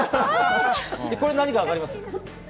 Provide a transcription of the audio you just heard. これ何かわかります？